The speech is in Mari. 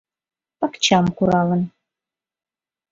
Пакчам куралын.